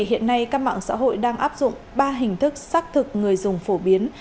hiện nay các mạng xã hội đang áp dụng ba hình thức xác thực người dùng phổ biến